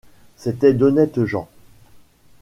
C’étaient d’honnêtes gens.